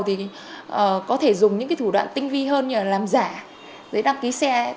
thì có thể dùng những thủ đoạn tinh vi hơn như là làm giả để đăng ký xe